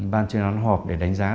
ban chuyên án họp để đánh giá